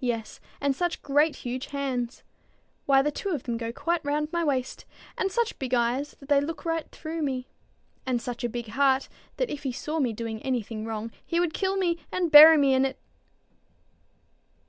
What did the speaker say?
"Yes, and such great huge hands! Why, the two of them go quite round my waist! And such big eyes, that they look right through me; and such a big heart, that if he saw me doing any thing wrong, he would kill me, and bury me in it."